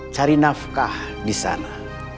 cari nafkah di sana